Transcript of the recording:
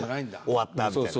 「終わった」みたいな。